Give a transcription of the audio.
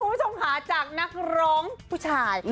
คุณผู้ชมค่ะจากนักร้องผู้ชาย